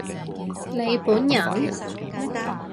你本人？